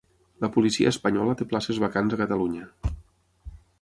La policia espanyola té places vacants a Catalunya